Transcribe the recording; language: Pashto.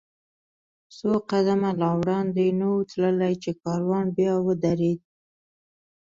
څو قدمه لا وړاندې نه و تللي، چې کاروان بیا ودرېد.